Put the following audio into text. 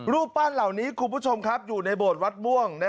รูปปั้นเหล่านี้คุณผู้ชมครับอยู่ในโบสถ์วัดม่วง